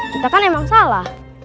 kita kan emang salah